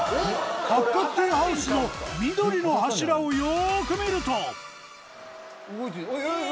八角形ハウスの緑の柱をよく見ると動いてる！